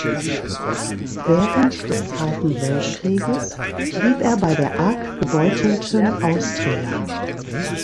Während des Zweiten Weltkrieges blieb er bei der arg gebeutelten Austria.